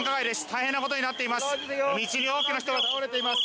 大変なことになっています。